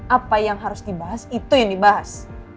apa yang harus dibahas itu yang dibahas